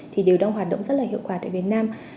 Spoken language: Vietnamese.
thì đều đang hoạt động rất là hiệu quả tại việt nam